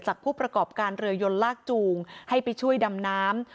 ผู้ประกอบการเรือยนลากจูงให้ไปช่วยดำน้ำ